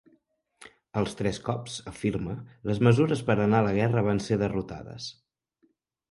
Els tres cops, afirma, les mesures per anar a la guerra van ser derrotades.